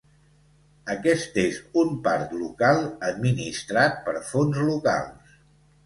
Aquest és un parc local administrat per fons locals.